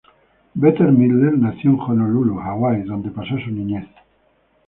Bette Midler nació en Honolulu, Hawái, donde pasó su niñez.